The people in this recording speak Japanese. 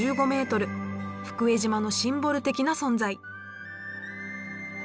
福江島のシンボル的な存在。